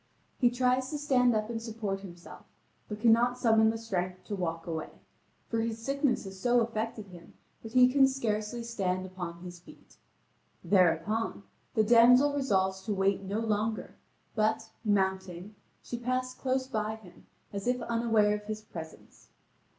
He tries to stand up and support himself, but cannot summon the strength to walk away, for his sickness has so affected him that he can scarcely stand upon his feet. Thereupon, the damsel resolves to wait no longer, but, mounting, she passed close by him, as if unaware of his presence.